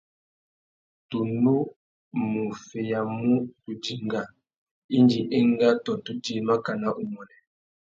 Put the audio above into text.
Tu nù mú feyamú tu dinga indi enga tô tu djï makana umuênê.